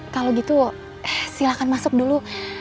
kalau gitu silakan masuk dulu